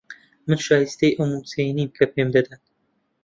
من شایستەی ئەو مووچەیە نیم کە پێم دەدەن.